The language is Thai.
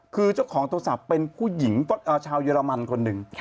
คือเจ้าของโทรศัพท์เป็นผู้หญิงชาวเยอรมันคนหนึ่ง